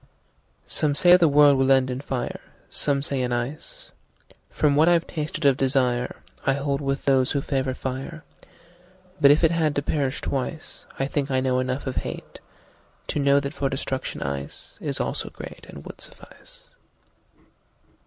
SOME say the world will end in fire, Some say in ice. From what I've tasted of desireI hold with those who favor fire. But if it had to perish twice,I think I know enough of hateTo know that for destruction iceIs also greatAnd would suffice.